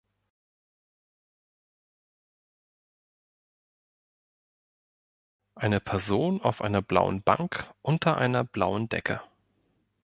Eine Person auf einer blauen Bank unter einer blauen Decke.